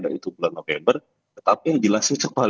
ni teman teman arahsengkan